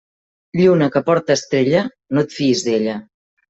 Lluna que porte estrella, no et fies d'ella.